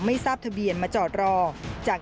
มันกลับมาแล้ว